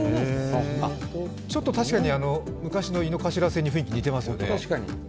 確かに昔の井の頭線に雰囲気似てますよね。